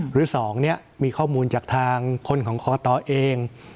หรือ๒มีข้อมูลจากทางคนของคอตเอง